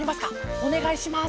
おねがいします。